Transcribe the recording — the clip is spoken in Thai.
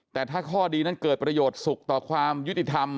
แต่ถ้าข้อดีนั้นเกิดประโยชน์สุขต่อความยุติธรรม